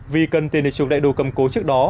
vì cần tiền để trục đại đồ cầm cố trước đó